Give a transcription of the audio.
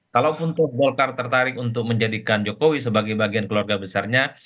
kalaupun golkar tertarik untuk menjadikan jokowi sebagai bagian keluarga besarnya